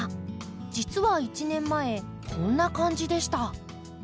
実は１年前こんな感じでした。